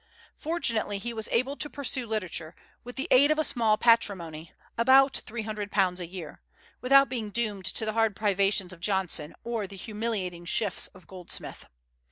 Fortunately he was able to pursue literature, with the aid of a small patrimony (about £300 a year), without being doomed to the hard privations of Johnson, or the humiliating shifts of Goldsmith.